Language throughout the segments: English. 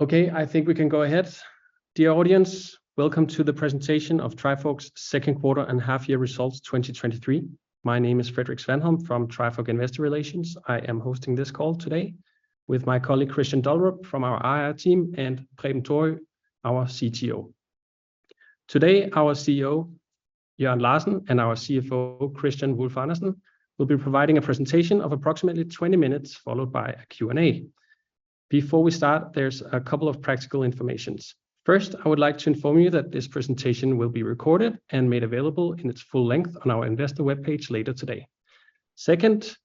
Okay, I think we can go ahead. Dear audience, welcome to the presentation of Trifork's second quarter and half year results 2023. My name is Frederik Svanholm from Trifork Investor Relations. I am hosting this call today with my colleague, Kristian Dollerup, from our IR team, and Preben Torp, our CTO. Today, our CEO, Jørn Larsen, and our CFO, Kristian Wulf-Andersen, will be providing a presentation of approximately 20 minutes, followed by a Q&A. Before we start, there's a couple of practical informations. First, I would like to inform you that this presentation will be recorded and made available in its full length on our investor webpage later today. Second,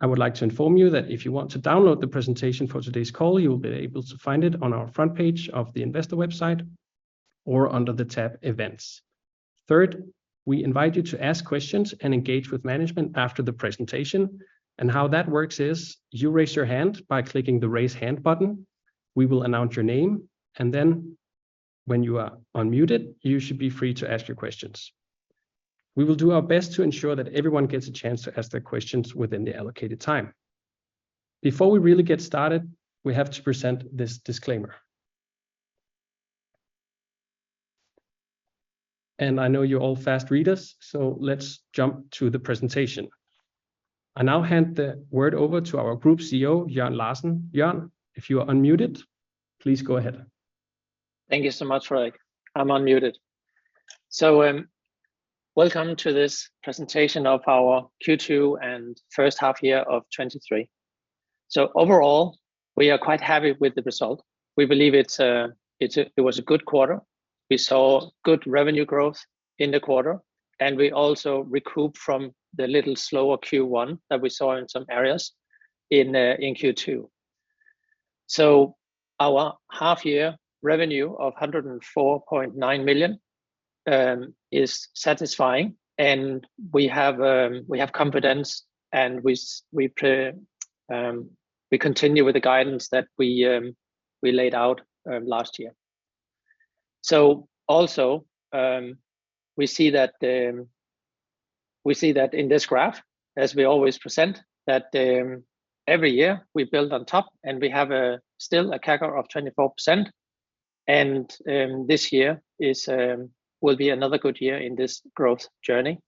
I would like to inform you that if you want to download the presentation for today's call, you will be able to find it on our front page of the investor website or under the tab Events. Third, we invite you to ask questions and engage with management after the presentation. How that works is, you raise your hand by clicking the Raise Hand button, we will announce your name, and then when you are unmuted, you should be free to ask your questions. We will do our best to ensure that everyone gets a chance to ask their questions within the allocated time. Before we really get started, we have to present this disclaimer. I know you're all fast readers, so let's jump to the presentation. I now hand the word over to our Group CEO, Jørn Larsen. Jørn, if you are unmuted, please go ahead. Thank you so much, Frederik. I'm unmuted. Welcome to this presentation of our Q2 and first half year of 2023. Overall, we are quite happy with the result. We believe it was a good quarter. We saw good revenue growth in the quarter, and we also recouped from the little slower Q1 that we saw in some areas in Q2. Our half year revenue of 104.9 million is satisfying, and we have confidence, and we pre, we continue with the guidance that we laid out last year. Also, we see that we see that in this graph, as we always present, that every year we build on top, and we have still a CAGR of 24%, and this year is will be another good year in this growth journey.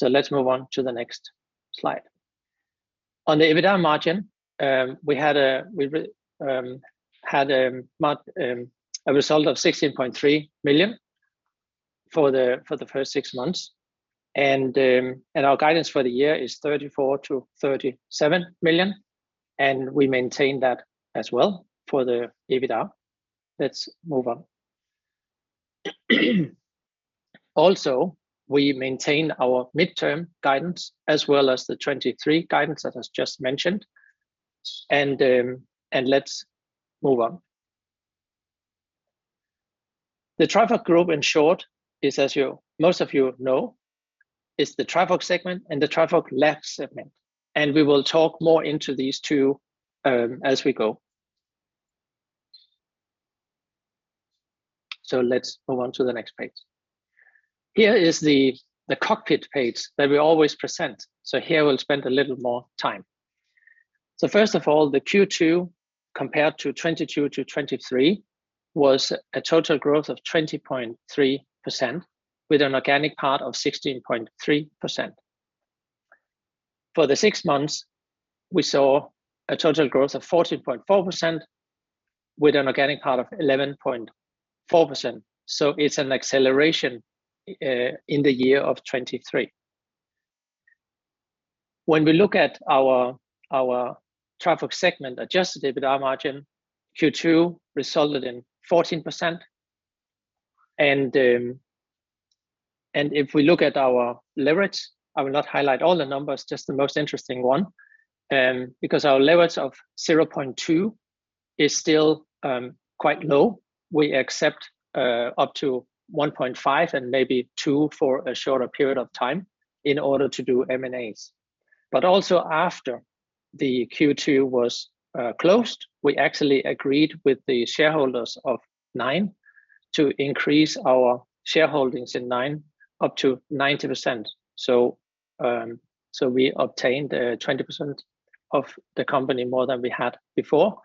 Let's move on to the next slide. On the EBITDA margin, we had a, we had a result of 16.3 million for the for the first 6 months, and our guidance for the year is 34 million-37 million, and we maintain that as well for the EBITDA. Let's move on. Also, we maintain our midterm guidance, as well as the 23 guidance that I just mentioned, and let's move on. The Trifork Group, in short, is, as most of you know, is the Trifork segment and the Trifork Labs segment. We will talk more into these two, as we go. Let's move on to the next page. Here is the, the cockpit page that we always present, so here we'll spend a little more time. First of all, the Q2, compared to 2022 to 2023, was a total growth of 20.3%, with an organic part of 16.3%. For the 6 months, we saw a total growth of 14.4%, with an organic part of 11.4%. It's an acceleration in the year of 2023. When we look at our, our Trifork segment, adjusted EBITDA margin, Q2 resulted in 14%. If we look at our leverage, I will not highlight all the numbers, just the most interesting one, because our leverage of 0.2 is still quite low. We accept up to 1.5 and maybe 2 for a shorter period of time in order to do M&As. Also, after the Q2 was closed, we actually agreed with the shareholders of Nine to increase our shareholdings in Nine up to 90%. We obtained 20% of the company more than we had before,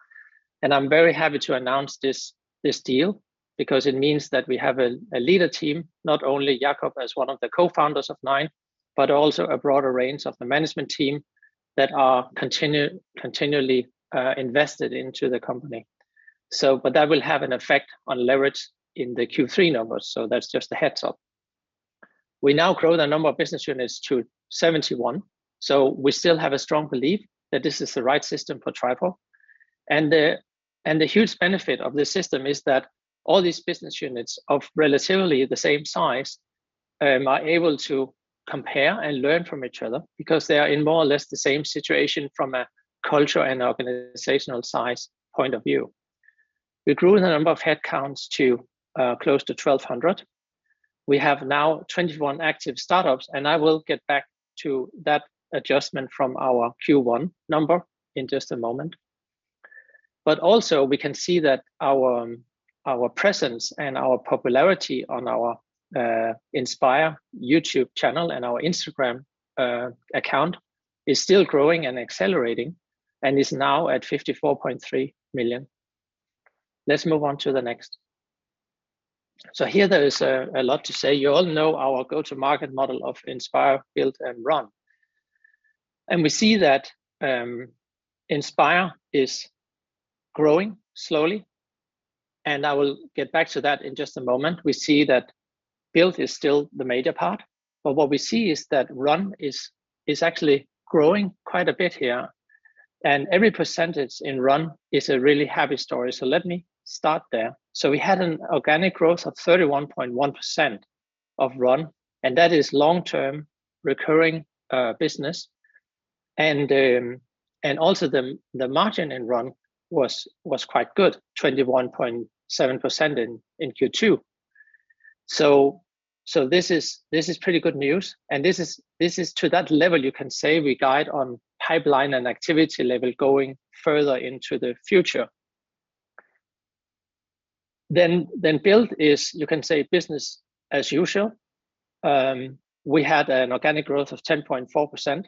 and I'm very happy to announce this, this deal, because it means that we have a, a leader team, not only Jakob as one of the cofounders of Nine, but also a broader range of the management team that are continue- continually invested into the company. But that will have an effect on leverage in the Q3 numbers, so that's just a heads-up. We now grow the number of business units to 71, so we still have a strong belief that this is the right system for Trifork. The huge benefit of this system is that all these business units of relatively the same size are able to compare and learn from each other because they are in more or less the same situation from a culture and organizational size point of view. We grew the number of headcounts to close to 1,200. We have now 21 active startups, and I will get back to that adjustment from our Q1 number in just a moment. Our presence and our popularity on our Inspire YouTube channel and our Instagram account is still growing and accelerating, and is now at 54.3 million. Let's move on to the next. Here there is a lot to say. You all know our go-to-market model of Inspire, Build, and Run, and we see that Inspire is growing slowly, and I will get back to that in just a moment. We see that Build is still the major part, but what we see is that Run is actually growing quite a bit here, and every % in Run is a really happy story. Let me start there. We had an organic growth of 31.1% of Run, and that is long-term recurring business. Also the, the margin in Run was, was quite good, 21.7% in Q2. This is, this is pretty good news, and this is, this is to that level you can say we guide on pipeline and activity level going further into the future. Build is, you can say, business as usual. We had an organic growth of 10.4%.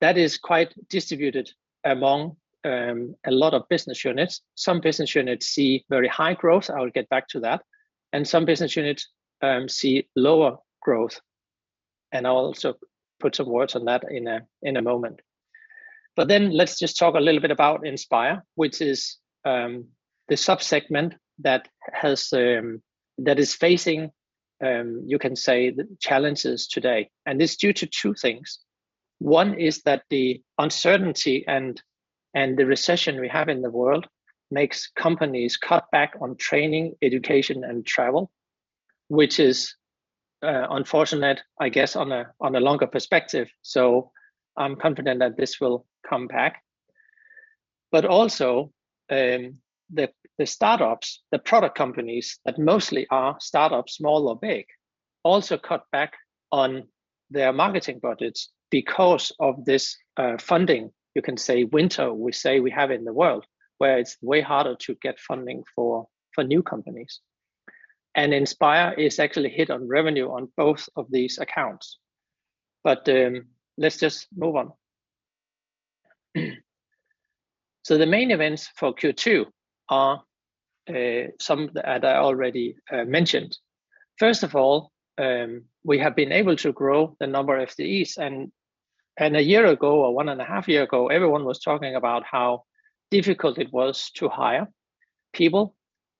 That is quite distributed among a lot of business units. Some business units see very high growth, I will get back to that, and some business units see lower growth, and I'll also put some words on that in a, in a moment. Let's just talk a little bit about Inspire, which is the sub-segment that has that is facing you can say challenges today, and it's due to 2 things. 1 is that the uncertainty and the recession we have in the world makes companies cut back on training, education, and travel, which is unfortunate, I guess, on a longer perspective, so I'm confident that this will come back. Also, the startups, the product companies that mostly are startups, small or big, also cut back on their marketing budgets because of this funding, you can say, winter we say we have in the world, where it's way harder to get funding for new companies. Inspire is actually hit on revenue on both of these accounts. Let's just move on. The main events for Q2 are some that I already mentioned. First of all, we have been able to grow the number of FTEs, and 1 and a half year ago, everyone was talking about how difficult it was to hire people.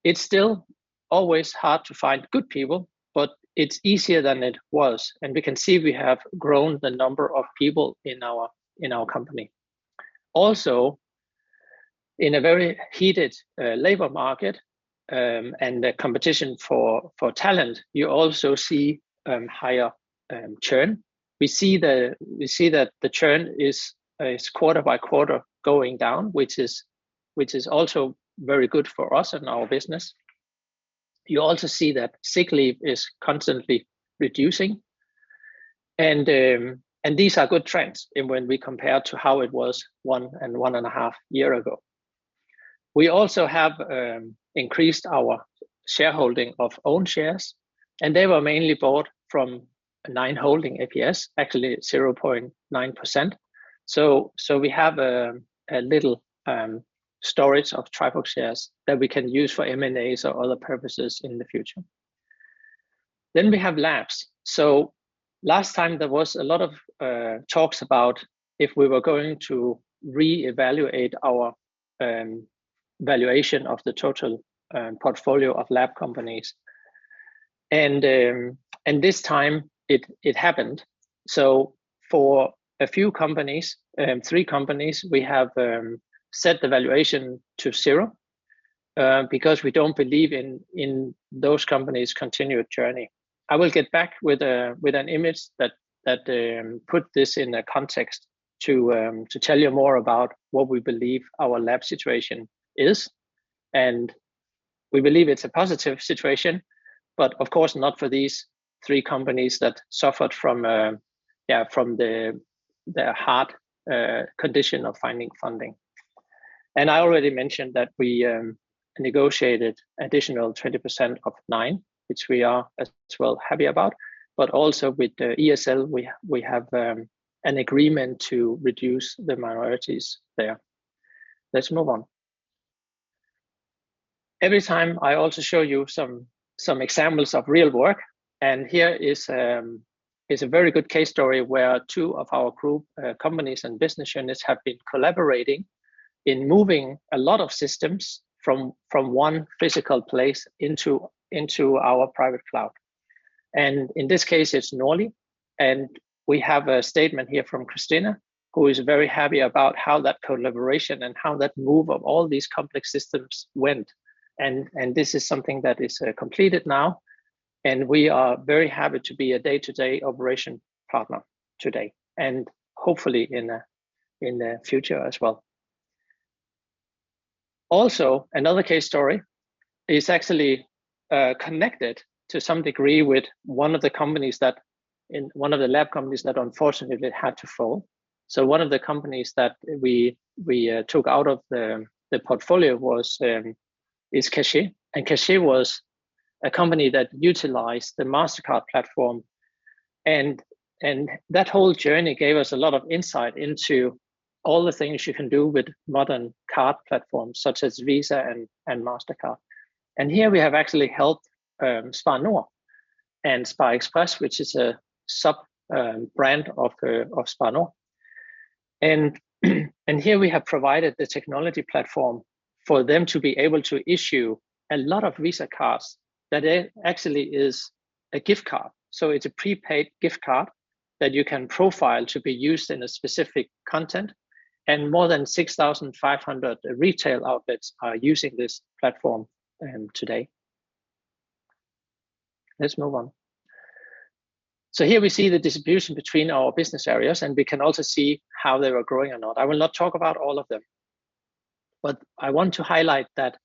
It's still always hard to find good people, but it's easier than it was, and we can see we have grown the number of people in our company. In a very heated labor market, and the competition for talent, you also see higher churn. We see that the churn is quarter by quarter going down, which is also very good for us and our business. You also see that sick leave is constantly reducing, and these are good trends in when we compare to how it was one and a half year ago. We also have increased our shareholding of own shares. They were mainly bought from Nine Holding ApS, actually 0.9%. We have a little storage of Trifork shares that we can use for M&As or other purposes in the future. We have Labs. Last time there was a lot of talks about if we were going to re-evaluate our valuation of the total portfolio of lab companies, and this time it happened. For a few companies, three companies, we have set the valuation to zero because we don't believe in those companies' continued journey. I will get back with a, with an image that, that put this in a context to tell you more about what we believe our lab situation is, and we believe it's a positive situation, but of course not for these 3 companies that suffered from, yeah, from the hard condition of finding funding. I already mentioned that we negotiated additional 20% of Nine, which we are as well happy about, but also with ESL, we have an agreement to reduce the minorities there. Let's move on. Every time I also show you some, some examples of real work, and here is a very good case story where 2 of our group companies and business units have been collaborating in moving a lot of systems from, from one physical place into, into our private cloud. In this case, it's Norlys, and we have a statement here from Christina, who is very happy about how that collaboration and how that move of all these complex systems went. This is something that is completed now, and we are very happy to be a day-to-day operation partner today, and hopefully in a, in the future as well. Also, another case story is actually connected to some degree with one of the companies in one of the lab companies that unfortunately had to fall. One of the companies that we, we took out of the portfolio was Kasheesh and Kasheesh was a company that utilized the Mastercard platform. That whole journey gave us a lot of insight into all the things you can do with modern card platforms, such as Visa and Mastercard. Here we have actually helped Spar Nord and Sparxpres, which is a sub brand of Spar Nord. Here we have provided the technology platform for them to be able to issue a lot of Visa cards that actually is a gift card. It's a prepaid gift card that you can profile to be used in a specific content, and more than 6,500 retail outlets are using this platform today. Let's move on. Here we see the distribution between our business areas, and we can also see how they are growing or not. I will not talk about all of them, but I want to highlight that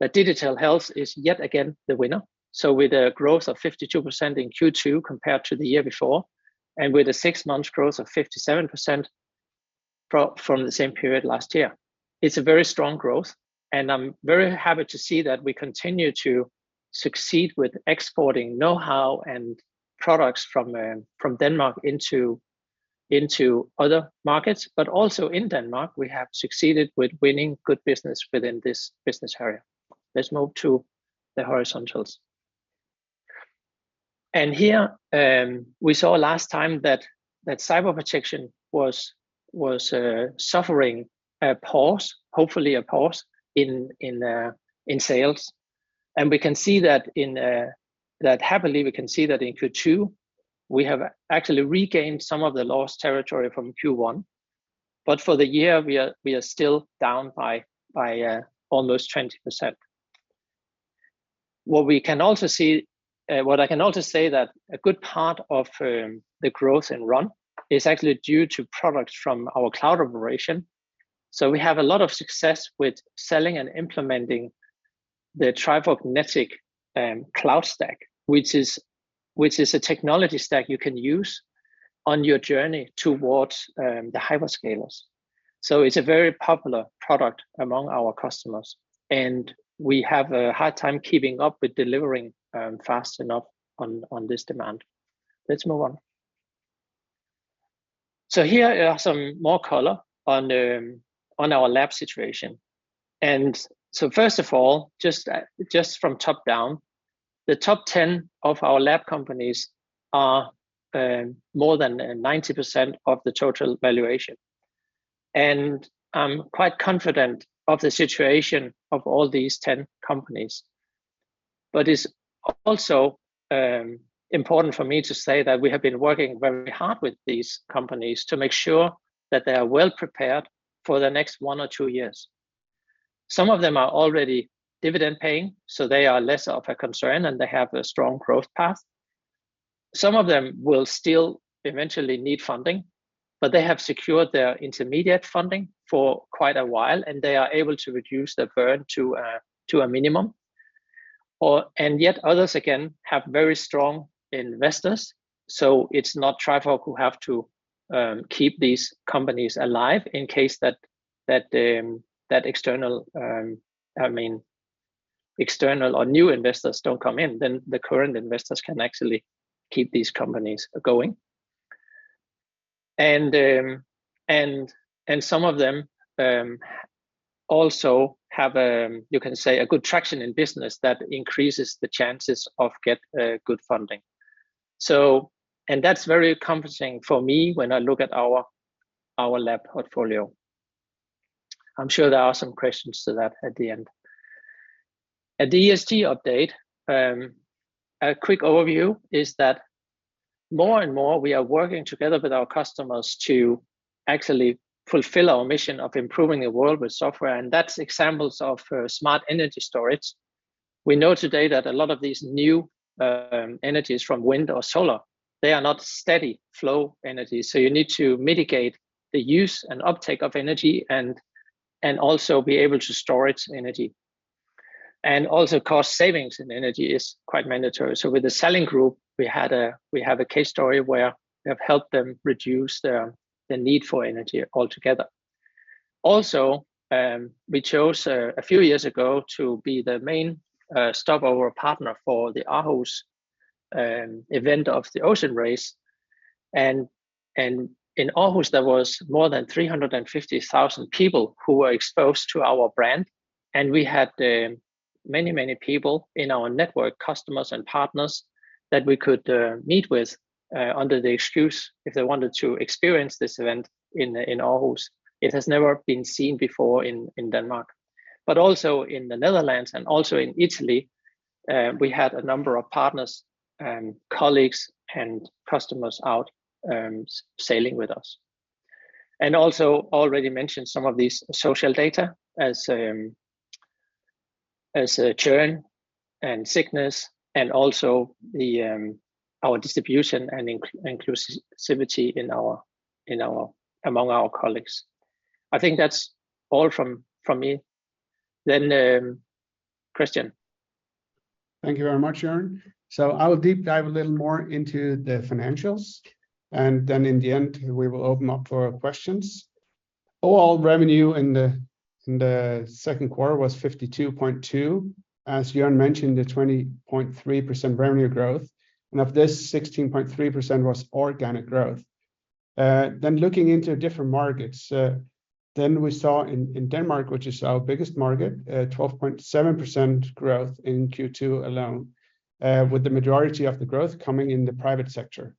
the digital health is yet again the winner. With a growth of 52% in Q2 compared to the year before, and with a 6-month growth of 57% pro- from the same period last year, it's a very strong growth, and I'm very happy to see that we continue to succeed with exporting know-how and products from Denmark into other markets. Also in Denmark, we have succeeded with winning good business within this business area. Let's move to the horizontals. Here, we saw last time that cyber protection was suffering a pause, hopefully a pause, in sales. We can see that in that happily, we can see that in Q2, we have actually regained some of the lost territory from Q1. For the year, we are, we are still down by almost 20%. What we can also see, what I can also say that a good part of the growth in Run is actually due to products from our cloud operations. We have a lot of success with selling and implementing the Trifork Netic cloud stack, which is, which is a technology stack you can use on your journey towards the hyperscalers. It's a very popular product among our customers, and we have a hard time keeping up with delivering fast enough on, on this demand. Let's move on. Here are some more color on our lab situation. First of all just, just from top down, the top 10 of our lab companies are more than 90% of the total valuation, and I'm quite confident of the situation of all these 10 companies. It's also important for me to say that we have been working very hard with these companies to make sure that they are well prepared for the next 1 or 2 years. Some of them are already dividend-paying, so they are less of a concern, and they have a strong growth path. Some of them will still eventually need funding, but they have secured their intermediate funding for quite a while, and they are able to reduce their burn to a minimum. Yet others, again, have very strong investors. It's not Trifork who have to keep these companies alive in case that, that external, I mean, external or new investors don't come in, then the current investors can actually keep these companies going. Some of them also have, you can say, a good traction in business that increases the chances of get good funding. That's very comforting for me when I look at our lab portfolio. I'm sure there are some questions to that at the end. A ESG update. A quick overview is that more and more, we are working together with our customers to actually fulfill our mission of improving the world with software, and that's examples of smart energy storage. We know today that a lot of these new energies from wind or solar, they are not steady flow energy, so you need to mitigate the use and uptake of energy and also be able to store its energy. Also, cost savings in energy is quite mandatory. With the Salling Group, we have a case story where we have helped them reduce their, the need for energy altogether. Also, we chose a few years ago to be the main stopover partner for the Aarhus event of The Ocean Race. In Aarhus, there was more than 350,000 people who were exposed to our brand, and we had many, many people in our network, customers and partners, that we could meet with under the excuse if they wanted to experience this event in Aarhus. It has never been seen before in Denmark, but also in the Netherlands and also in Italy, we had a number of partners and colleagues and customers out sailing with us. Also already mentioned some of these social data as, as churn and sickness, and also the our distribution and inclusivity in our, in our, among our colleagues. I think that's all from, from me. Kristian. Thank you very much, Jørn. I will deep dive a little more into the financials, and then in the end, we will open up for questions. Overall revenue in the second quarter was 52.2. As Jørn mentioned, the 20.3% revenue growth, and of this, 16.3% was organic growth. Looking into different markets, we saw in Denmark, which is our biggest market, 12.7% growth in Q2 alone, with the majority of the growth coming in the private sector.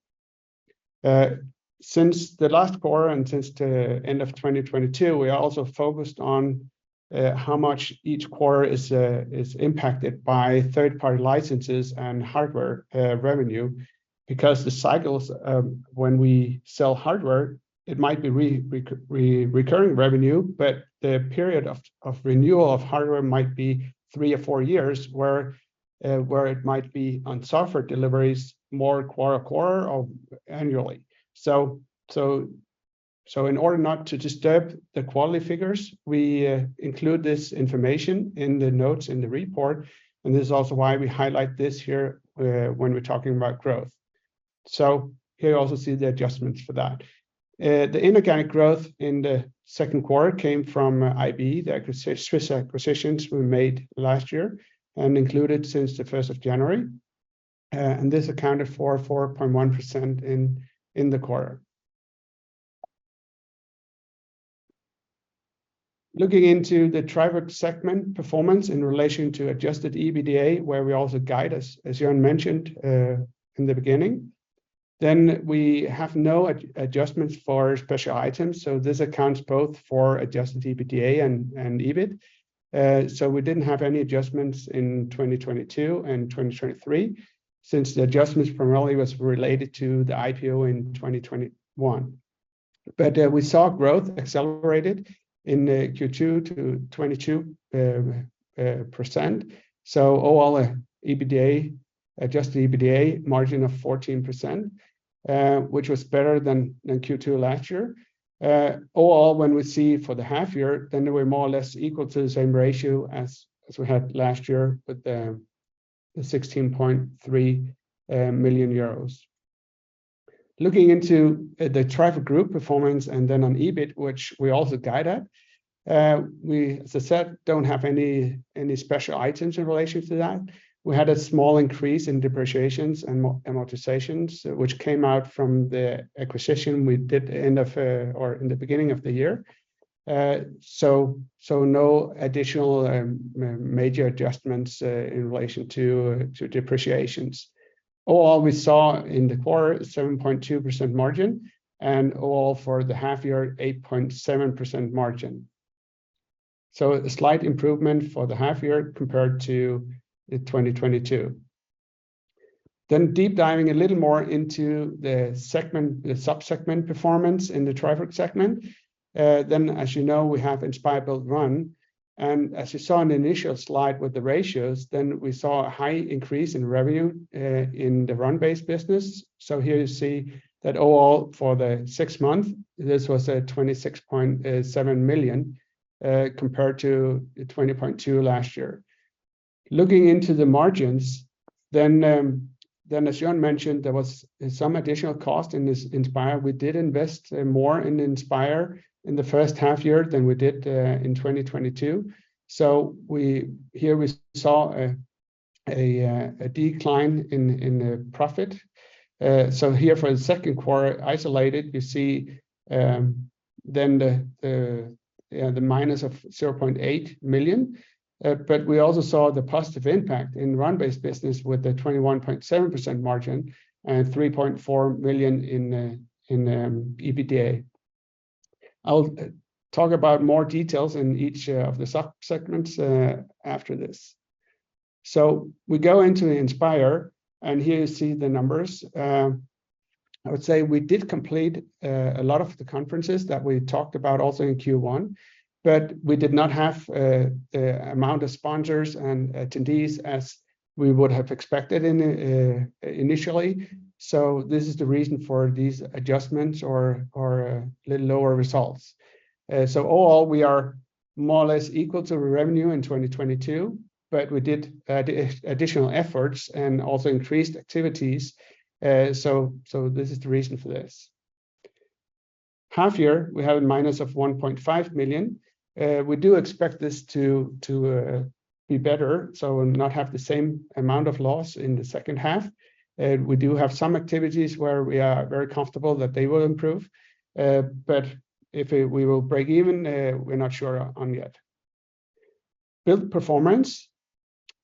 Since the last quarter and since the end of 2022, we are also focused on how much each quarter is impacted by third-party licenses and hardware revenue, because the cycles, when we sell hardware, it might be recurring revenue, but the period of renewal of hardware might be 3 or 4 years, where it might be on software deliveries, more quarter to quarter or annually. In order not to disturb the quality figures, we include this information in the notes in the report, and this is also why we highlight this here when we're talking about growth. Here you also see the adjustments for that. The inorganic growth in the second quarter came from Vilea the Swiss acquisitions we made last year and included since the 1st of January. This accounted for 4.1% in, in the quarter. Looking into the Trifork segment performance in relation to adjusted EBITDA, where we also guide us, as Jørn mentioned, in the beginning, then we have no ad- adjustments for special items, so this accounts both for adjusted EBITDA and, and EBIT. So we didn't have any adjustments in 2022 and 2023, since the adjustments primarily was related to the IPO in 2021. We saw growth accelerated in Q2 to 22%. Overall, EBITDA, adjusted EBITDA margin of 14%, which was better than, than Q2 last year. Overall, when we see for the half year, then we're more or less equal to the same ratio as, as we had last year, with the 16.3 million euros. Looking into the Trifork Group performance on EBIT, which we also guide at, we, as I said, don't have any, any special items in relation to that. We had a small increase in depreciations and amortizations, which came out from the acquisition we did end of, or in the beginning of the year. No additional major adjustments in relation to depreciations. Overall, we saw in the quarter, 7.2% margin, overall for the half year, 8.7% margin. A slight improvement for the half year compared to the 2022. Deep diving a little more into the sub-segment performance in the Trifork segment, then, as you know, we have Inspire, Build, Run. As you saw in the initial slide with the ratios, then we saw a high increase in revenue in the Run-based business. Here you see that overall, for the six months, this was a 26.7 million compared to 20.2 last year. Looking into the margins, then, as Jørn mentioned, there was some additional cost in this Inspire. We did invest more in Inspire in the first half year than we did in 2022. Here we saw a decline in the profit. Here for the second quarter, isolated, you see then the minus of 0.8 million. We also saw the positive impact in Run-based business with the 21.7% margin and EUR 3.4 million in EBITDA. I'll talk about more details in each of the sub-segments after this. We go into the Inspire, here you see the numbers. I would say we did complete a lot of the conferences that we talked about also in Q1, we did not have the amount of sponsors and attendees as we would have expected initially. This is the reason for these adjustments or, or little lower results. All, we are more or less equal to revenue in 2022, we did additional efforts and also increased activities. This is the reason for this. Half year, we have a minus of $1.5 million. We do expect this to be better, not have the same amount of loss in the second half. We do have some activities where we are very comfortable that they will improve, but if we will break even, we're not sure on yet. Build performance.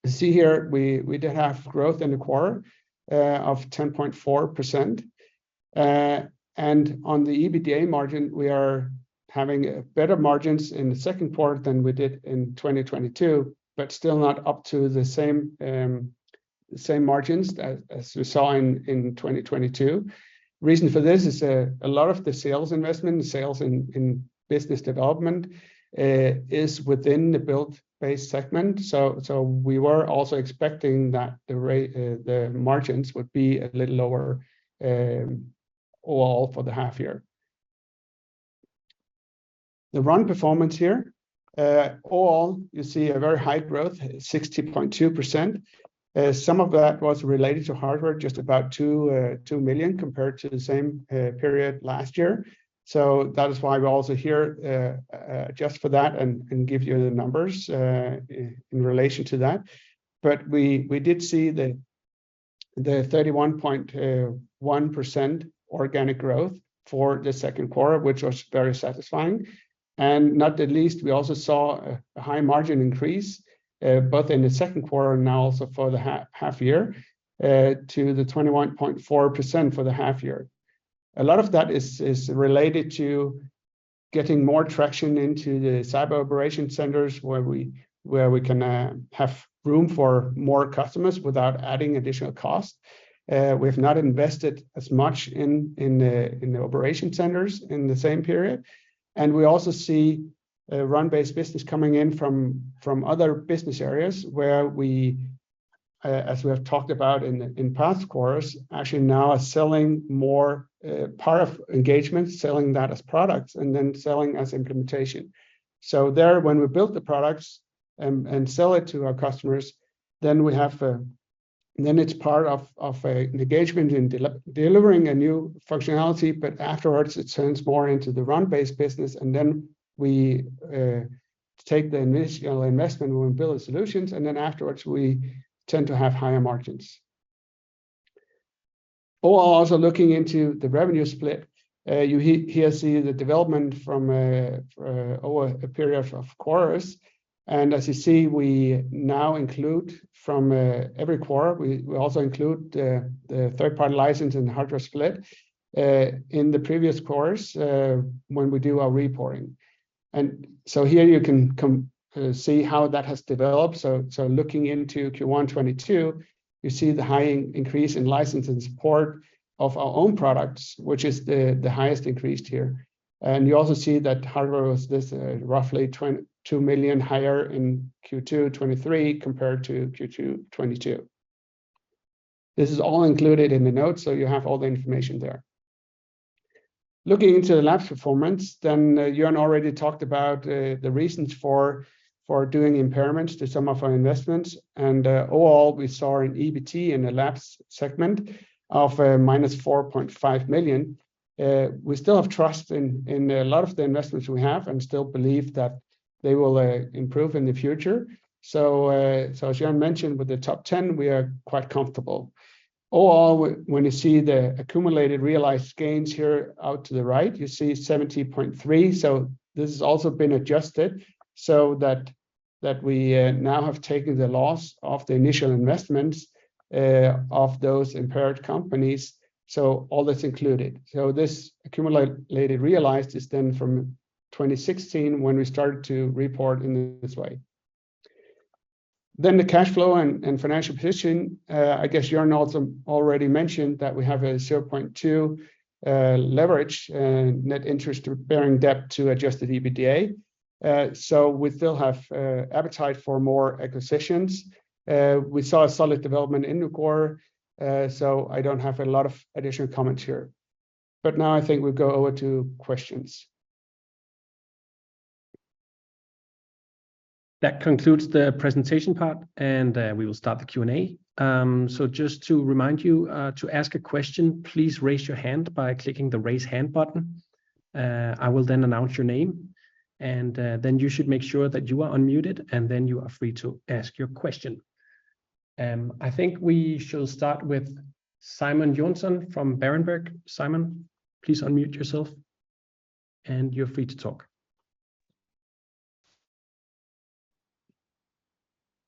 You see here, we did have growth in the quarter of 10.4%. On the EBITDA margin, we are having better margins in the second quarter than we did in 2022, but still not up to the same margins as we saw in 2022. Reason for this is a lot of the sales investment, the sales in business development, is within the Build-based segment. We were also expecting that the margins would be a little lower overall for the half year. The Run performance here, all you see a very high growth, 60.2%. Some of that was related to hardware, just about 2 million compared to the same period last year. That is why we're also here just for that, and give you the numbers in relation to that. We did see the 31.1% organic growth for the second quarter, which was very satisfying. Not at least, we also saw a high margin increase both in the second quarter and now also for the half year to the 21.4% for the half year. A lot of that is, is related to getting more traction into the cyber operation centers, where we can have room for more customers without adding additional cost. We've not invested as much in, in the, in the operation centers in the same period. We also see a run-based business coming in from, from other business areas, where we, as we have talked about in, in past quarters, actually now are selling more, part of engagement, selling that as products and then selling as implementation. There, when we build the products and, and sell it to our customers, then we have then it's part of, of a engagement in delivering a new functionality, but afterwards it turns more into the Run-based business, and then we take the initial investment when we build the solutions, and then afterwards we tend to have higher margins. Overall, also looking into the revenue split, you here see the development from over a period of quarters. As you see, we now include from every quarter, we also include the, the third-party license and hardware split in the previous quarters, when we do our reporting. Here you can see how that has developed. Looking into Q1 2022, you see the high increased in license and support of our own products, which is the, the highest increased here. You also see that hardware was this, roughly 22 million higher in Q2 2023 compared to Q2 2022. This is all included in the notes, so you have all the information there. Looking into the labs performance, Jørn already talked about the reasons for, for doing impairments to some of our investments. Overall, we saw an EBT in the labs segment of minus 4.5 million. We still have trust in, in a lot of the investments we have and still believe that they will improve in the future. As Jørn mentioned, with the top 10, we are quite comfortable. Overall, when, when you see the accumulated realized gains here out to the right, you see 70.3, this has also been adjusted, so that, that we now have taken the loss of the initial investments of those impaired companies. All that's included. This accumulated realized is then from 2016, when we started to report in this way. The cash flow and, and financial position, I guess Jørn also already mentioned that we have a 0.2 leverage, net interest bearing debt to adjusted EBITDA. We still have appetite for more acquisitions. We saw a solid development in the quarter, I don't have a lot of additional comments here. Now I think we go over to questions. That concludes the presentation part, and we will start the Q&A. Just to remind you, to ask a question, please raise your hand by clicking the Raise Hand button. I will then announce your name, and then you should make sure that you are unmuted, and then you are free to ask your question. I think we shall start with Simon Jonsson from Berenberg. Simon, please unmute yourself, and you're free to talk.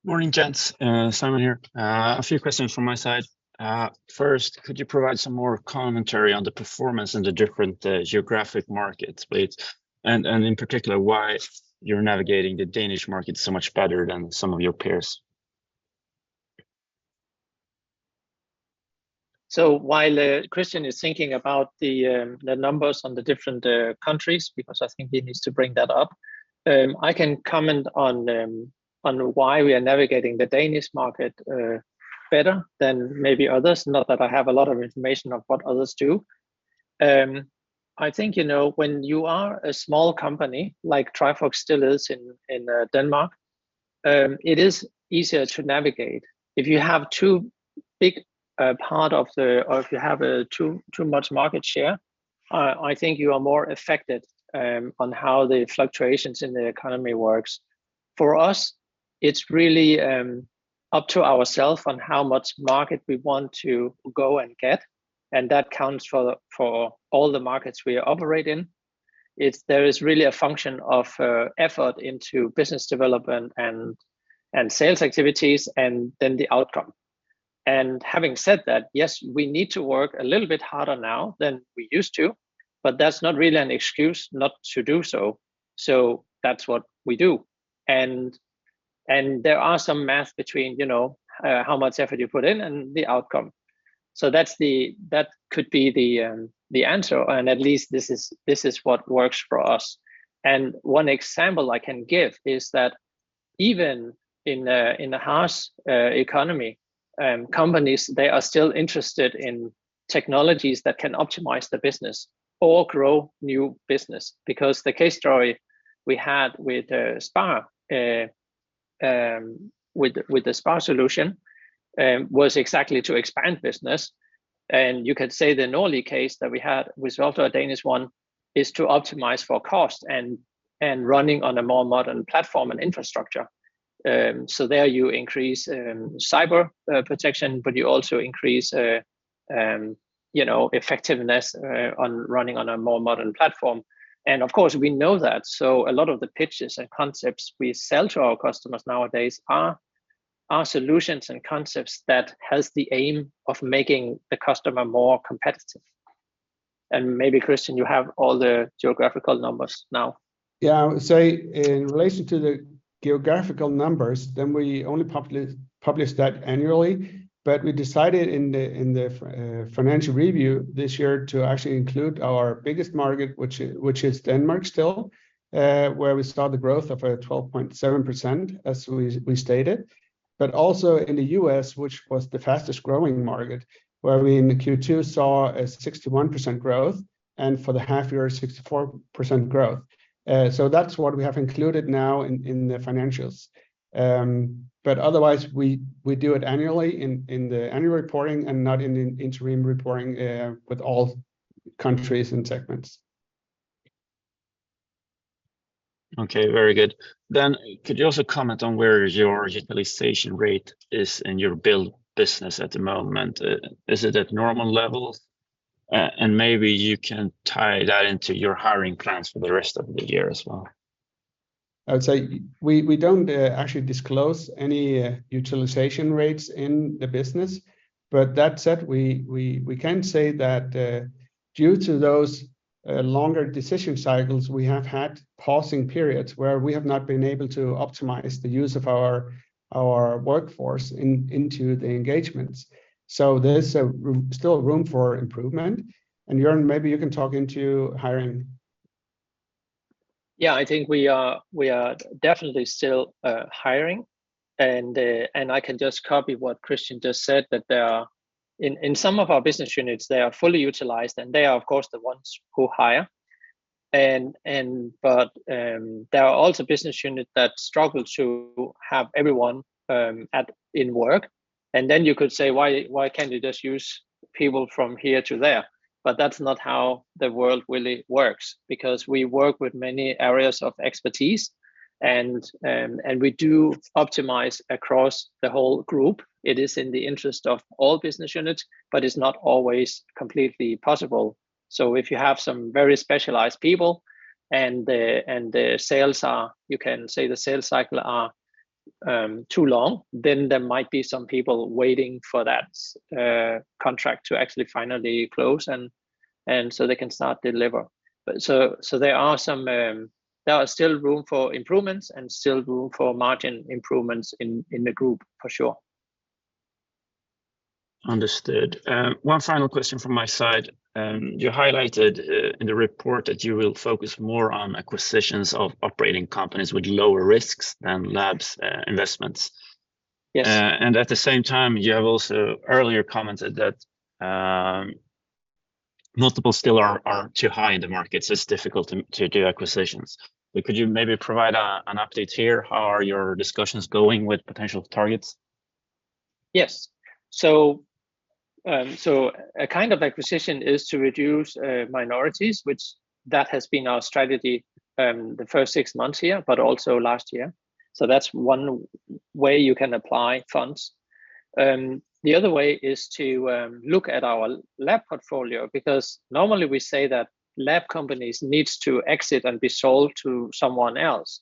Morning, gents. Simon here. A few questions from my side. First, could you provide some more commentary on the performance in the different geographic markets, please? In particular, why you're navigating the Danish market so much better than some of your peers? While Kristian Wulf-Andersen is thinking about the numbers on the different countries, because I think he needs to bring that up, I can comment on why we are navigating the Danish market better than maybe others, not that I have a lot of information of what others do. I think, you know, when you are a small company, like Trifork still is in Denmark, it is easier to navigate. If you have too big a part of the... or if you have too, too much market share, I think you are more affected on how the fluctuations in the economy works. For us, it's really up to ourself on how much market we want to go and get, and that counts for, for all the markets we operate in. There is really a function of effort into business development and sales activities, then the outcome. Having said that, yes, we need to work a little bit harder now than we used to, but that's not really an excuse not to do so. That's what we do. And there are some math between, you know, how much effort you put in and the outcome. That could be the answer, at least this is, this is what works for us. One example I can give is that even in a harsh economy, companies, they are still interested in technologies that can optimize the business or grow new business. The case story we had with Spar, with the Spar solution, was exactly to expand business. You could say the Norli case that we had, which is also a Danish one, is to optimize for cost and running on a more modern platform and infrastructure. So there you increase cyber protection, but you also increase, you know, effectiveness on running on a more modern platform. Of course, we know that. A lot of the pitches and concepts we sell to our customers nowadays are solutions and concepts that has the aim of making the customer more competitive. Maybe, Christian, you have all the geographical numbers now. In relation to the geographical numbers, then we only publish that annually. We decided in the financial review this year to actually include our biggest market, which is Denmark still, where we saw the growth of 12.7%, as we stated. Also in the U.S., which was the fastest growing market, where we in the Q2 saw a 61% growth, and for the half year, 64% growth. That's what we have included now in the financials. Otherwise, we do it annually in the annual reporting and not in the interim reporting, with all countries and segments. Okay, very good. Could you also comment on where your utilization rate is in your Build business at the moment? Is it at normal levels? Maybe you can tie that into your hiring plans for the rest of the year as well. I would say we, we don't actually disclose any utilization rates in the business. That said, we, we, we can say that, due to those longer decision cycles, we have had pausing periods where we have not been able to optimize the use of our, our workforce in, into the engagements. There's still room for improvement. Jørn, maybe you can talk into hiring. Yeah, I think we are, we are definitely still hiring. I can just copy what Kristian just said, that there are... In, in some of our business units, they are fully utilized, and they are, of course, the ones who hire. There are also business units that struggle to have everyone at, in work. You could say, "Why, why can't you just use people from here to there?" That's not how the world really works, because we work with many areas of expertise, and we do optimize across the whole group. It is in the interest of all business units, but it's not always completely possible. If you have some very specialized people and the sales are, you can say the sales cycle are too long, then there might be some people waiting for that contract to actually finally close, and so they can start deliver. There are some, there are still room for improvements and still room for margin improvements in, in the Group, for sure. Understood. One final question from my side. You highlighted in the report that you will focus more on acquisitions of operating companies with lower risks than Labs investments. Yes. At the same time, you have also earlier commented that multiples still are, are too high in the markets. It's difficult to, to do acquisitions. Could you maybe provide a, an update here? How are your discussions going with potential targets? Yes. A kind of acquisition is to reduce minorities, which that has been our strategy, the first 6 months here, but also last year. That's 1 way you can apply funds. The other way is to look at our lab portfolio, because normally we say that lab companies needs to exit and be sold to someone else,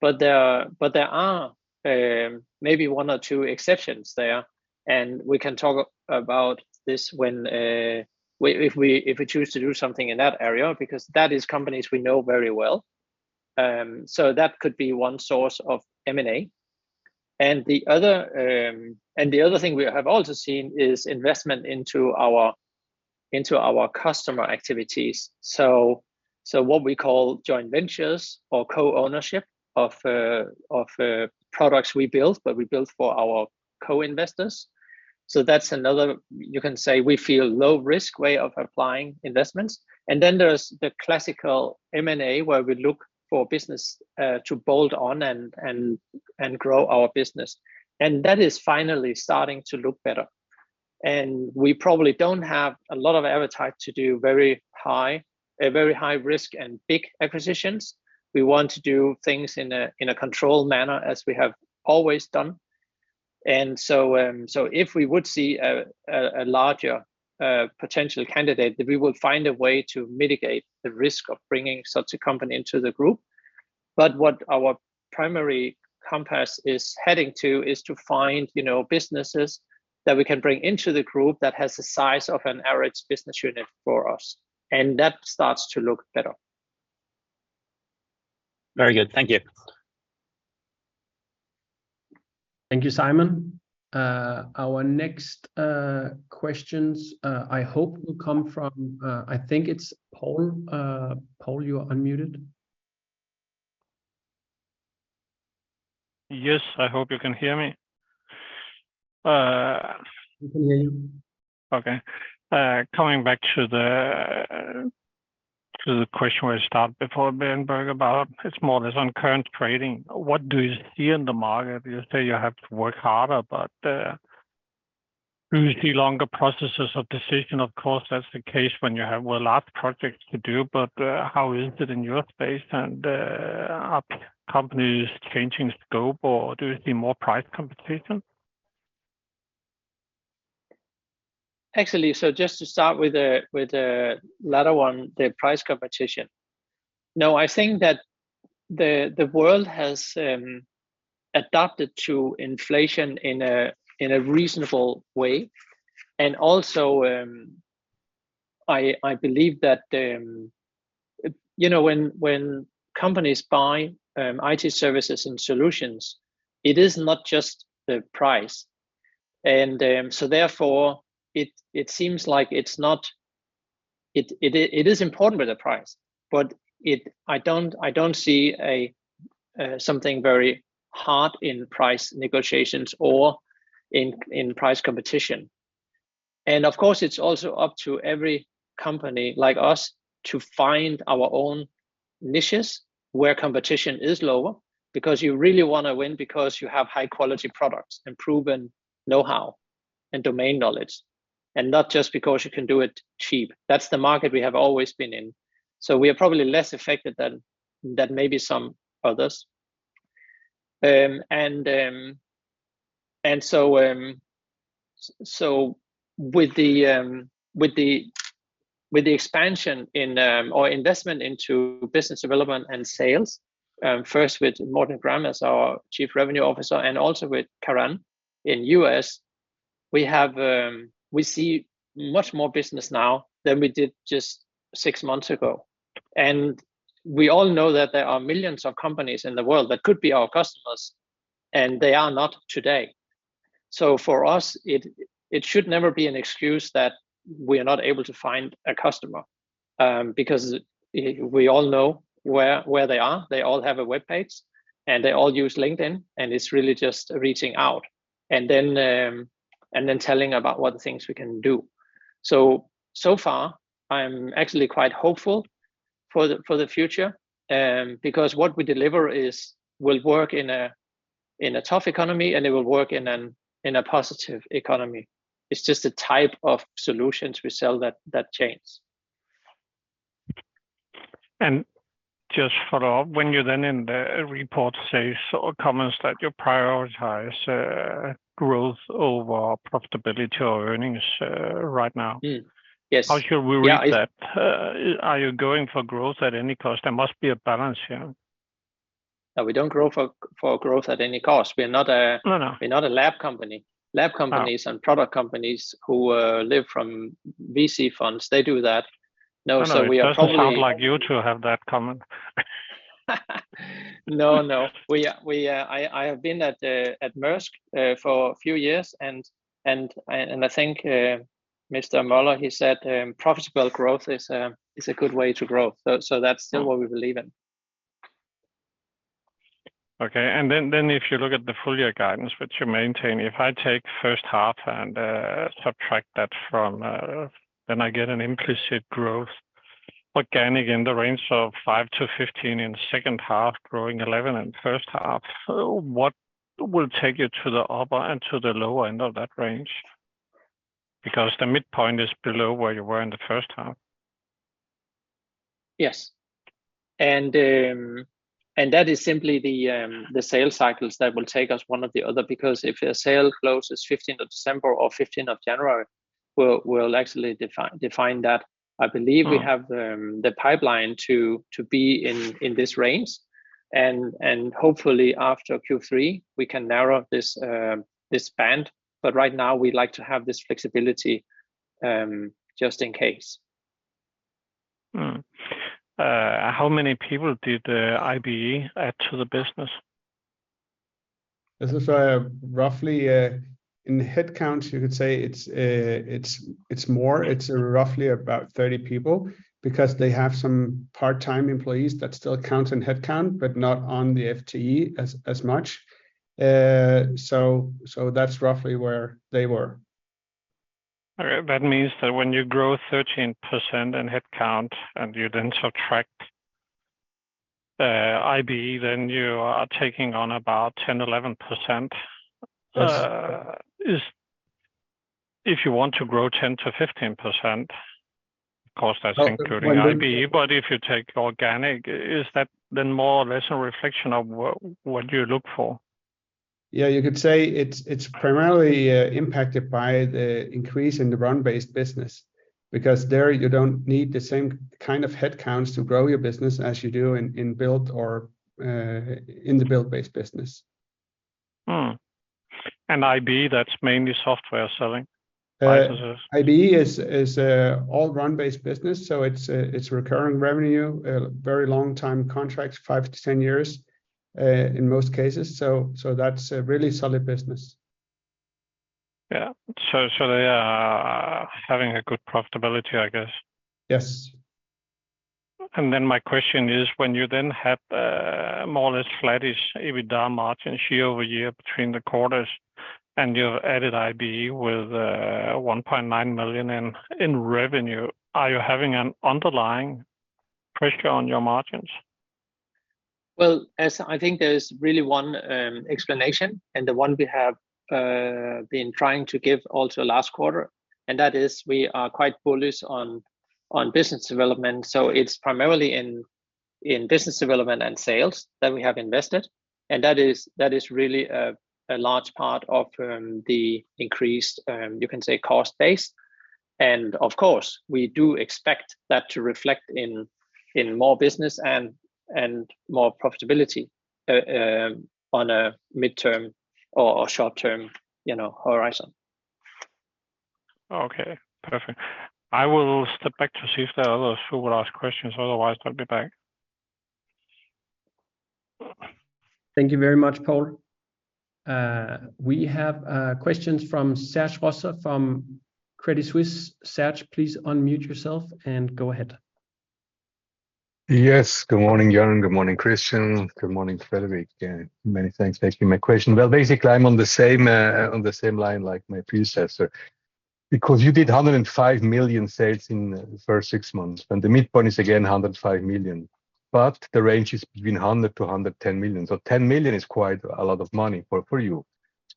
but there are, but there are maybe 1 or 2 exceptions there, and we can talk about this when if we choose to do something in that area, because that is companies we know very well. That could be 1 source of M&A. The other, and the other thing we have also seen is investment into our, into our customer activities. So what we call joint ventures or co-ownership of products we build, but we build for our co-investors. That's another, you can say, we feel low-risk way of applying investments. There's the classical M&A, where we look for business to build on and, and, and grow our business. That is finally starting to look better. We probably don't have a lot of appetite to do very high, a very high risk and big acquisitions. We want to do things in a controlled manner, as we have always done. So if we would see a larger potential candidate, then we would find a way to mitigate the risk of bringing such a company into the group. What our primary compass is heading to is to find, you know, businesses that we can bring into the group that has the size of an average business unit for us, and that starts to look better. Very good. Thank you. ... Thank you, Simon. Our next questions, I hope will come from, I think it's Paul. Paul, you are unmuted. Yes, I hope you can hear me. We can hear you. Okay. Coming back to the question where we stopped before, Berenberg, about it's more or less on current trading. What do you see in the market? You say you have to work harder, but do you see longer processes of decision? Of course, that's the case when you have, well, large projects to do, but how is it in your space, and are companies changing scope, or do you see more price competition? Actually, so just to start with the, with the latter one, the price competition. No, I think that the, the world has adapted to inflation in a, in a reasonable way. Also, I, I believe that, you know, when, when companies buy IT services and solutions, it is not just the price. So therefore, it, it seems like it's not. It is important with the price, but I don't, I don't see something very hard in price negotiations or in, in price competition. Of course, it's also up to every company like us to find our own niches where competition is lower, because you really wanna win because you have high-quality products and proven know-how and domain knowledge, and not just because you can do it cheap. That's the market we have always been in, so we are probably less affected than, than maybe some others. So with the expansion in or investment into business development and sales, first with Morten Gram as our Chief Revenue Officer and also with Karan in U.S., we have, we see much more business now than we did just six months ago. We all know that there are millions of companies in the world that could be our customers, and they are not today. For us, it, it should never be an excuse that we are not able to find a customer, because we all know where, where they are. They all have a webpage, and they all use LinkedIn, and it's really just reaching out, and then telling about what things we can do. So far, I'm actually quite hopeful for the future, because what we deliver is will work in a tough economy, and it will work in a positive economy. It's just the type of solutions we sell that changes. Just follow up, when you're then in the report says or comments that you prioritize, growth over profitability or earnings, right now... Mm. Yes. How should we read that? Yeah. Are you going for growth at any cost? There must be a balance here. No, we don't grow for, for growth at any cost. We are not. No, no. we're not a lab company. Uh. Lab companies and product companies who live from VC funds, they do that. No, we are probably- No, it doesn't sound like you 2 have that common. No, no. We, we, I, I have been at Maersk for a few years, and, and, and I think Mr. Moller, he said, "Profitable growth is a, is a good way to grow." That's still what we believe in. Okay. Then, then if you look at the full year guidance, which you maintain, if I take first half and subtract that from. I get an implicit growth, organic in the range of 5%-15% in second half, growing 11% in first half. What will take you to the upper and to the lower end of that range? The midpoint is below where you were in the first half. Yes. That is simply the, the sales cycles that will take us one or the other, because if a sale closes 15th of December or 15th of January, we'll, we'll actually define, define that. Mm. I believe we have the pipeline to, to be in, in this range. Hopefully, after Q3, we can narrow this band, but right now we'd like to have this flexibility just in case. Mm. How many people did Vilea add to the business? This is roughly in headcount, you could say it's roughly about 30 people. Because they have some part-time employees that still count in headcount, but not on the FTE as much. That's roughly where they were. All right. That means that when you grow 13% in headcount and you then subtract, Vilea, then you are taking on about 10-11%. Yes. If you want to grow 10%-15%, of course, that's including IBE- Well. If you take organic, is that then more or less a reflection of what, what you look for? You could say it's, it's primarily impacted by the increase in the Run-based business, because there you don't need the same kind of headcounts to grow your business as you do in, in Build or in the Build-based business. IBE, that's mainly software selling? IBE is, is all run-based business, so it's recurring revenue, very long time contracts, 5-10 years in most cases. That's a really solid business. Yeah. So they are having a good profitability, I guess? Yes. My question is, when you then have more or less flattish EBITDA margin year-over-year between the quarters, and you've added IBE with $1.9 million in revenue, are you having an underlying pressure on your margins? Well, I think there's really one, explanation, and the one we have, been trying to give also last quarter, and that is we are quite bullish on, on business development. It's primarily in, in business development and sales that we have invested, and that is, that is really a, a large part of, the increased, you can say, cost base. Of course, we do expect that to reflect in, in more business and, and more profitability, on a midterm or, or short-term, you know, horizon. Okay, perfect. I will step back to see if there are others who will ask questions, otherwise I'll be back. Thank you very much, Paul. We have questions from Serge Rotzer from Credit Suisse. Serge, please unmute yourself and go ahead. Yes. Good morning, Jørn. Good morning, Kristian. Good morning, Frederik. Yeah, many thanks for taking my question. Well, basically, I'm on the same line like my predecessor. You did 105 million sales in the first 6 months, and the midpoint is again 105 million, but the range is between 100 million-110 million. Ten million is quite a lot of money for you.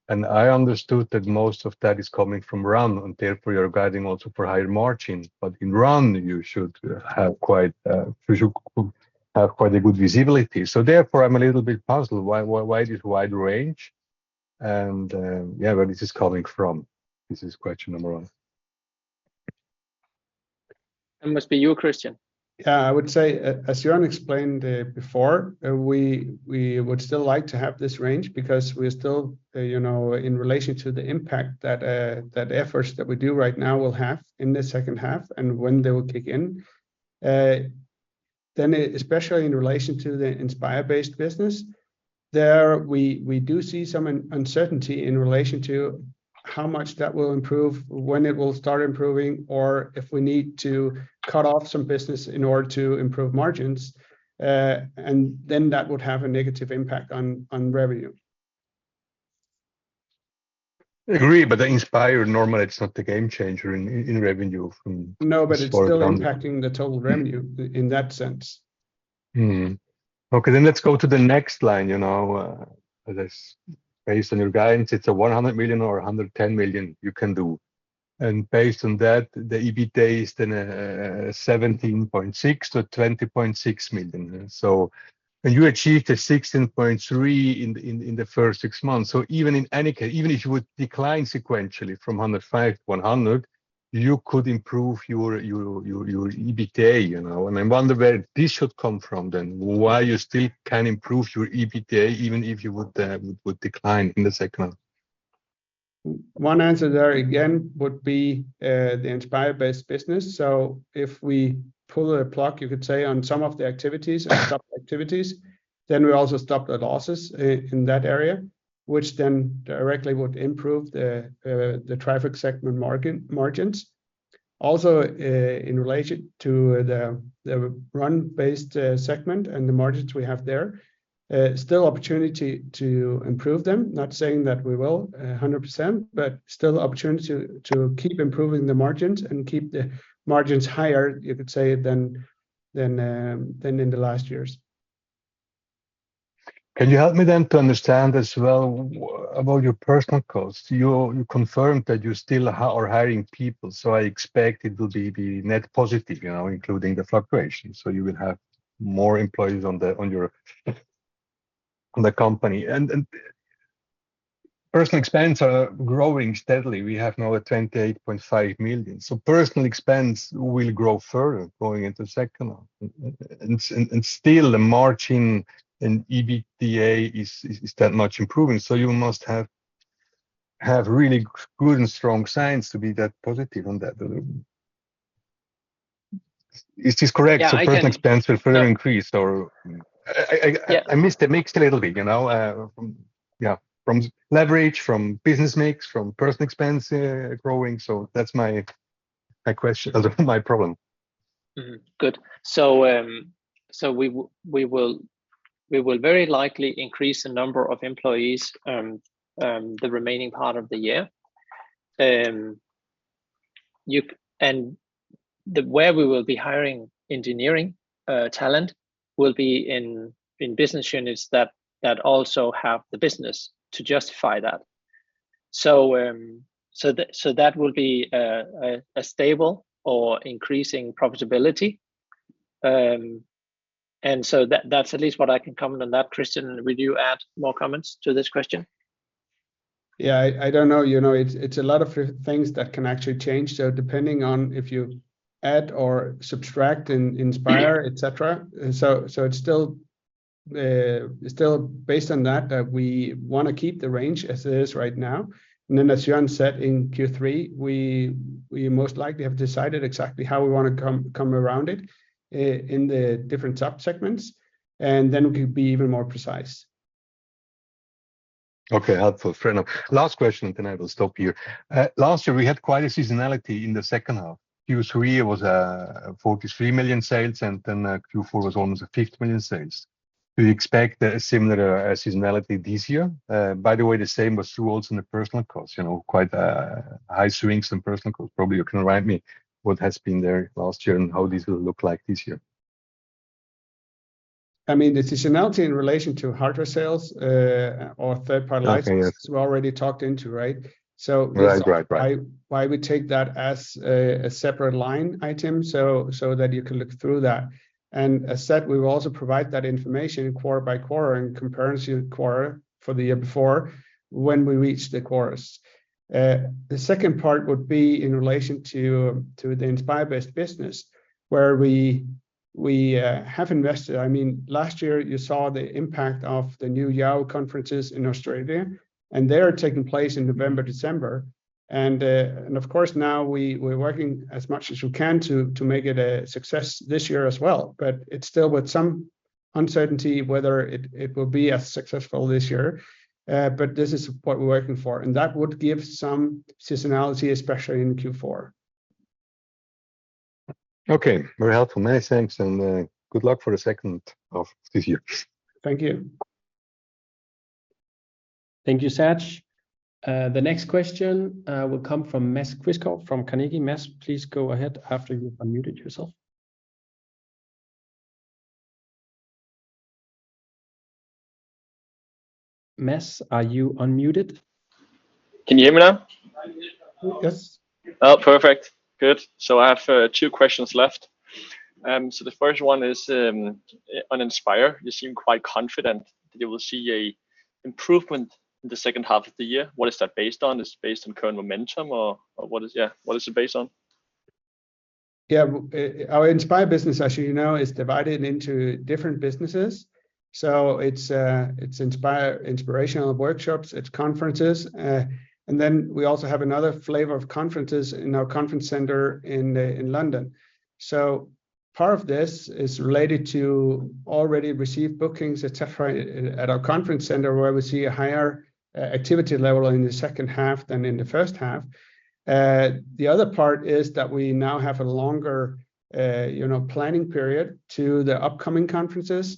I understood that most of that is coming from Run, and therefore you're guiding also for higher margins. In Run, you should have quite, you should have quite a good visibility. Therefore, I'm a little bit puzzled why, why, why this wide range, and, yeah, where this is coming from? This is question number 1. It must be you, Kristian Dollerup. Yeah, I would say, as Jørgen explained, before, we, we would still like to have this range because we're still, you know, in relation to the impact that efforts that we do right now will have in the second half and when they will kick in. Especially in relation to the Inspire-based business, there we, we do see some uncertainty in relation to how much that will improve, when it will start improving, or if we need to cut off some business in order to improve margins. That would have a negative impact on, on revenue. Agree, but the Inspire, normally, it's not the game changer in, in revenue. No, but it's still impacting the total revenue in that sense. Okay, let's go to the next line. You know, this, based on your guidance, it's 100 million or 110 million you can do. Based on that, the EBITDA is then 17.6 million-20.6 million. You achieved 16.3 million in the first six months. Even in any case, even if you would decline sequentially from 105 to 100, you could improve your, your, your, your EBITDA, you know? I wonder where this should come from, then, why you still can improve your EBITDA, even if you would decline in the second half? One answer there, again, would be the Inspire-based business. If we pull the plug, you could say, on some of the activities and stop activities, then we also stop the losses in that area, which then directly would improve the Trifork segment margins. Also, in relation to the Run-based segment and the margins we have there, still opportunity to improve them. Not saying that we will 100%, but still opportunity to, to keep improving the margins and keep the margins higher, you could say, than, than, than in the last years. Can you help me then to understand as well about your personal costs? You, you confirmed that you still are hiring people, so I expect it will be net positive, you know, including the fluctuation, so you will have more employees on the company. Personal expenses are growing steadily. We have now a 28.5 million. Personal expense will grow further going into second half. Still the margin in EBITDA is that much improving, so you must have really good and strong signs to be that positive on that. Is this correct? Yeah. Personal expense will further increase or... Yeah. I, I, I missed it, mixed a little bit, you know, yeah, from leverage, from business mix, from personal expense, growing. That's my, my question, my problem. Mm-hmm. Good. We will, we will very likely increase the number of employees, the remaining part of the year. Where we will be hiring engineering talent will be in business units that also have the business to justify that. That will be a stable or increasing profitability. That's at least what I can comment on that. Kristian, would you add more comments to this question? Yeah, I, I don't know. You know, it's, it's a lot of things that can actually change, so depending on if you add or subtract in Inspire, et cetera. So, it's still based on that, we wanna keep the range as it is right now. Then as Jørn said, in Q3, we, we most likely have decided exactly how we wanna come, come around it in the different sub-segments, and then we can be even more precise. Okay, helpful. Fair enough. Last question, and then I will stop you. Last year we had quite a seasonality in the second half. Q3 was 43 million sales, and then Q4 was almost 50 million sales. Do you expect a similar seasonality this year? By the way, the same was true also in the personal costs, you know, quite high swings in personal costs. Probably you can write me what has been there last year and how this will look like this year. I mean, the seasonality in relation to hardware sales, or third-party licenses- Licensing we already talked into, right? Right, right, right.... I would take that as a separate line item, so that you can look through that. As said, we will also provide that information quarter by quarter in comparison to the quarter for the year before, when we reach the quarters. The second part would be in relation to the Inspire-based business, where we have invested... I mean, last year you saw the impact of the new YOW! conferences in Australia, and they are taking place in November, December. Of course, now we're working as much as we can to make it a success this year as well. But it's still with some uncertainty whether it will be as successful this year. But this is what we're working for, and that would give some seasonality, especially in Q4. Okay, very helpful. Many thanks, and good luck for the second half of this year. Thank you. Thank you, Serge. The next question will come from Mads Christiansen from Carnegie. Mads, please go ahead after you unmute yourself. Mads, are you unmuted? Can you hear me now? Yes. Oh, perfect. Good. I have 2 questions left. The first one is on Inspire. You seem quite confident that you will see a improvement in the second half of the year. What is that based on? Is it based on current momentum or what is... Yeah, what is it based on? Yeah. Our Inspire, as you know, is divided into different businesses. It's inspirational workshops, it's conferences, and then we also have another flavor of conferences in our conference center in London. Part of this is related to already received bookings, et cetera, at our conference center, where we see a higher activity level in the second half than in the first half. The other part is that we now have a longer, you know, planning period to the upcoming conferences.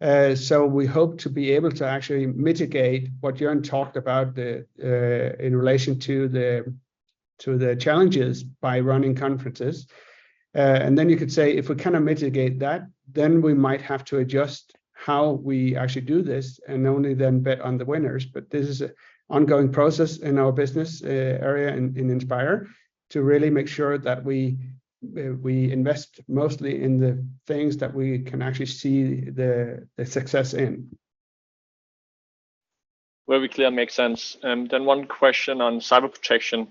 We hope to be able to actually mitigate what Jørn talked about, the in relation to the, to the challenges by running conferences. You could say, if we cannot mitigate that, then we might have to adjust how we actually do this, and only then bet on the winners. This is an ongoing process in our business, area in, in Inspire, to really make sure that we, we, we invest mostly in the things that we can actually see the, the success in. Very clear. Makes sense. Then one question on cyber protection.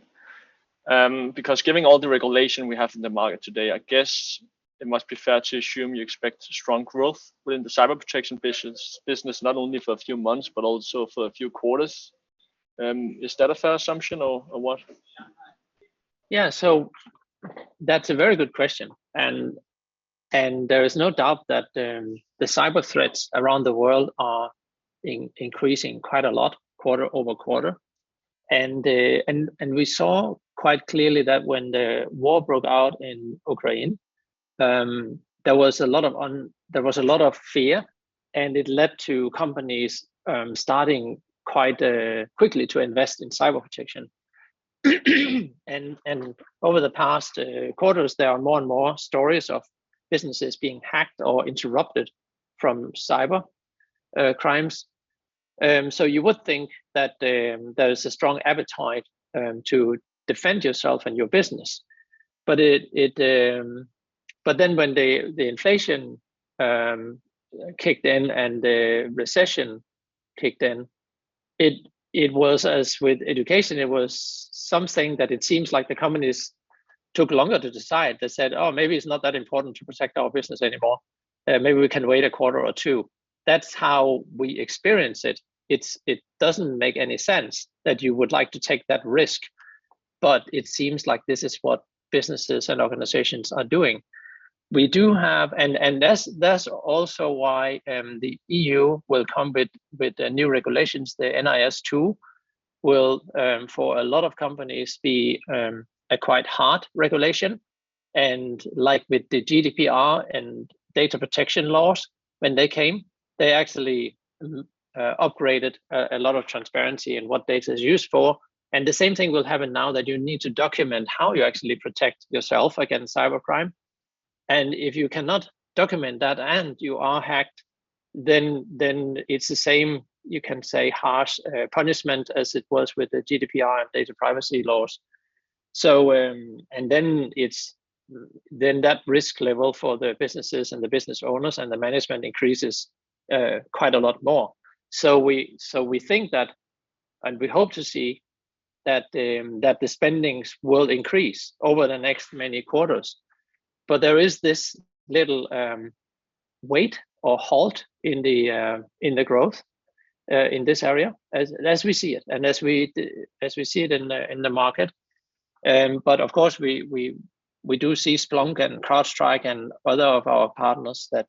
Given all the regulation we have in the market today, I guess it must be fair to assume you expect strong growth within the cyber protection business, not only for a few months, but also for a few quarters. Is that a fair assumption or, or what? Yeah, that's a very good question. There is no doubt that the cyber threats around the world are increasing quite a lot quarter-over-quarter. We saw quite clearly that when the war broke out in Ukraine, there was a lot of fear, and it led to companies starting quite quickly to invest in cyber protection. Over the past quarters, there are more and more stories of businesses being hacked or interrupted from cyber crimes. You would think that there is a strong appetite to defend yourself and your business. It, it... Then when the, the inflation, kicked in and the recession kicked in, it, it was, as with education, it was something that it seems like the companies took longer to decide. They said, "Oh, maybe it's not that important to protect our business anymore, maybe we can wait a quarter or 2." That's how we experience it. It doesn't make any sense that you would like to take that risk, but it seems like this is what businesses and organizations are doing. We do have. That's also why, the EU will come with, with the new regulations. The NIS2 will, for a lot of companies, be, a quite hard regulation. Like with the GDPR and data protection laws, when they came, they actually, upgraded a, a lot of transparency in what data is used for. The same thing will happen now, that you need to document how you actually protect yourself against cybercrime. If you cannot document that and you are hacked, then, then it's the same, you can say, harsh punishment as it was with the GDPR and data privacy laws. Then it's, then that risk level for the businesses and the business owners and the management increases quite a lot more. We, so we think that, and we hope to see-... that the, that the spendings will increase over the next many quarters. There is this little, wait or halt in the, in the growth, in this area as, as we see it, and as we, as we see it in the, in the market. Of course, we, we, we do see Splunk and CrowdStrike and other of our partners that,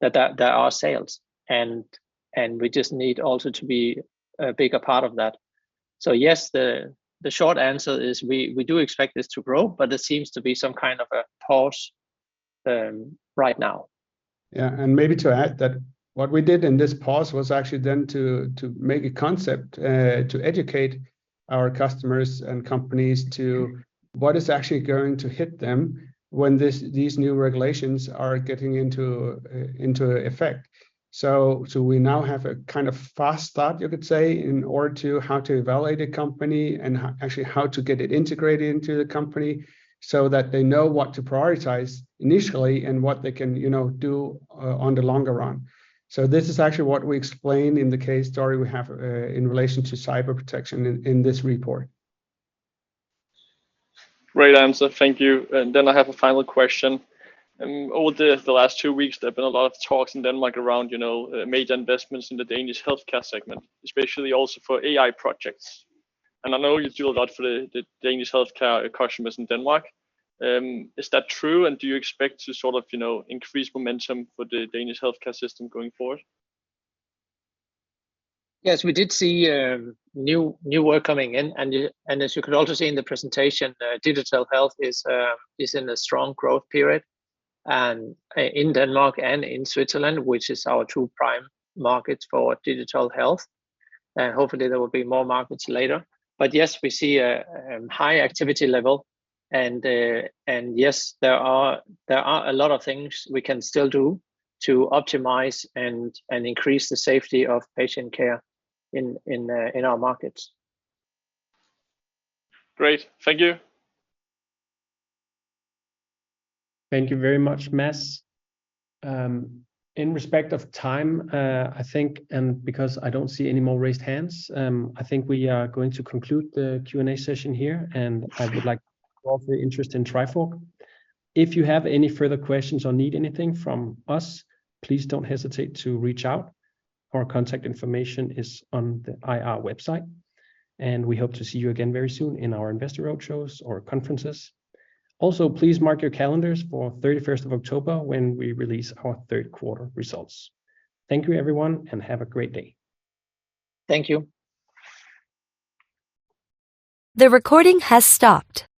that, that there are sales, and, and we just need also to be a bigger part of that. Yes, the, the short answer is we, we do expect this to grow, but there seems to be some kind of a pause, right now. Maybe to add that what we did in this pause was actually then to, to make a concept to educate our customers and companies to what is actually going to hit them when these new regulations are getting into effect. We now have a kind of fast start, you could say, in order to how to evaluate a company and actually how to get it integrated into the company, so that they know what to prioritize initially and what they can, you know, do on the longer run. This is actually what we explained in the case study we have in relation to cyber protection in this report. Great answer. Thank you. I have a final question. Over the, the last two weeks, there have been a lot of talks in Denmark around, you know, major investments in the Danish healthcare segment, especially also for AI projects. I know you do a lot for the, the Danish healthcare customers in Denmark. Is that true? Do you expect to sort of, you know, increase momentum for the Danish healthcare system going forward? Yes. We did see new, new work coming in, and as you can also see in the presentation, digital health is in a strong growth period. In Denmark and in Switzerland, which is our two prime markets for digital health, hopefully there will be more markets later. Yes, we see a high activity level, and yes, there are, there are a lot of things we can still do to optimize and, and increase the safety of patient care in, in, in our markets. Great. Thank you. Thank you very much, Mads. In respect of time, I think, and because I don't see any more raised hands, I think we are going to conclude the Q&A session here. I would like to thank you all for your interest in Trifork. If you have any further questions or need anything from us, please don't hesitate to reach out. Our contact information is on the IR website, and we hope to see you again very soon in our investor roadshows or conferences. Please mark your calendars for 31st of October when we release our third quarter results. Thank you, everyone, and have a great day. Thank you. The recording has stopped.